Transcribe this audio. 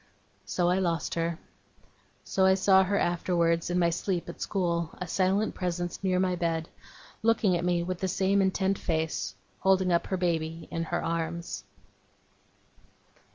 So I lost her. So I saw her afterwards, in my sleep at school a silent presence near my bed looking at me with the same intent face holding up her baby in her arms.